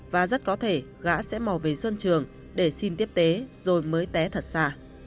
và rất có thể gã sẽ mò về xuân trường để xin tiếp tế rồi mới té thật xa